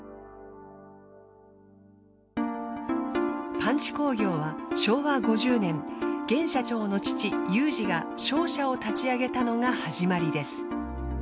パンチ工業は昭和５０年現社長の父有司が商社を立ち上げたのが始まりです。